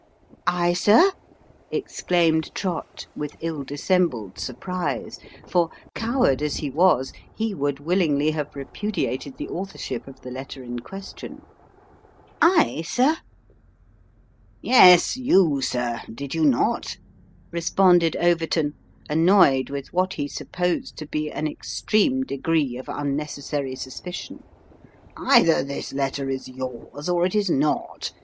" I, sir ?" exclaimed Trott with ill dissembled surprise ; for, coward as ho was, he would willingly have repudiated the authorship of the letter in question. " I, sir ?"" Yes, you, sir ; did you not ?" responded Overton, annoyed with what he supposed to be an extreme degree of unnecessary suspicion. " Either this letter is yours, or it is not.